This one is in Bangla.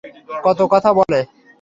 কতো কথা বলে?